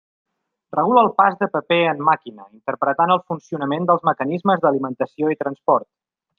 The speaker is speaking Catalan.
Regula el pas de paper en màquina, interpretant el funcionament dels mecanismes d'alimentació i transport.